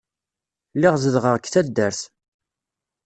Lliɣ zedɣeɣ deg taddart.